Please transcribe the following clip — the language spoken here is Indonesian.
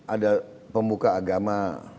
ada pemuka agama